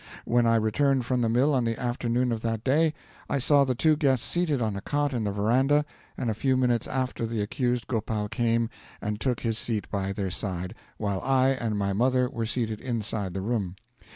When I returned from the mill on the afternoon of that day, I saw the two guests seated on a cot in the veranda, and a few minutes after the accused Gopal came and took his seat by their side, while I and my mother were seated inside the room.